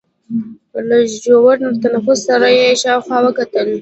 له ژور تنفس سره يې شاوخوا وکتل.